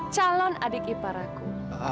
calon adik ipar aku